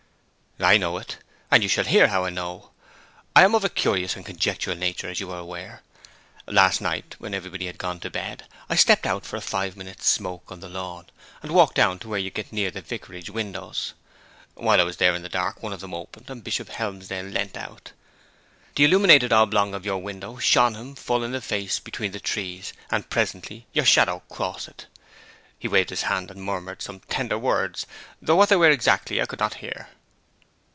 'I know it, and you shall hear how I know. I am of a curious and conjectural nature, as you are aware. Last night, when everybody had gone to bed, I stepped out for a five minutes' smoke on the lawn, and walked down to where you get near the vicarage windows. While I was there in the dark one of them opened, and Bishop Helmsdale leant out. The illuminated oblong of your window shone him full in the face between the trees, and presently your shadow crossed it. He waved his hand, and murmured some tender words, though what they were exactly I could not hear.'